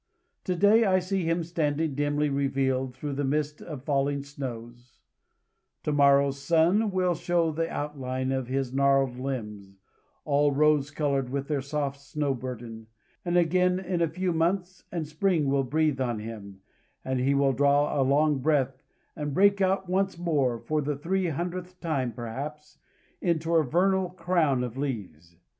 To day I see him standing, dimly revealed through the mist of falling snows; to morrow's sun will show the outline of his gnarled limbs all rose color with their soft snow burden; and again a few months, and spring will breathe on him, and he will draw a long breath, and break out once more, for the three hundredth time, perhaps, into a vernal crown of leaves.